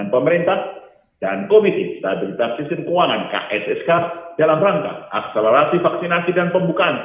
untuk mendorong konstitusi masyarakat dalam rangka mendukung transaksi perdagangan dan investasi bilateral dengan negara utama khususnya di kawasan asia